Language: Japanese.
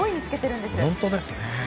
本当ですね！